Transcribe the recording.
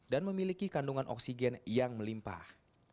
dan memiliki kandungan oksigen yang melimpah